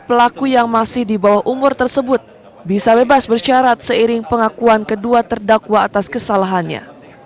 pelaku yang masih di bawah umur tersebut bisa bebas bersyarat seiring pengakuan kedua terdakwa atas kesalahannya